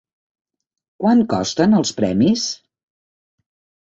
Quant costen els premis?